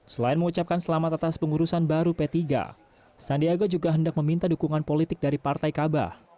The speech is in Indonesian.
selain mengucapkan selamat atas pengurusan baru p tiga sandiaga juga hendak meminta dukungan politik dari partai kabah